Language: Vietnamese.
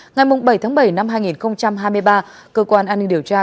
ngày bảy bảy hai nghìn hai mươi ba cơ quan an ninh điều tra